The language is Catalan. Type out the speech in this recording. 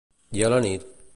I a la nit?